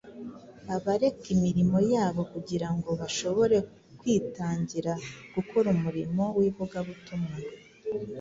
abareka imirimo yabo kugira ngo bashobore kwitangira gukora umurimo w’ivugabutumwa.